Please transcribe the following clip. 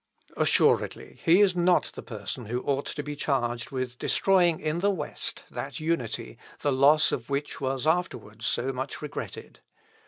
Assuredly, he is not the person who ought to be charged with destroying in the West that unity, the loss of which was afterwards so much regretted.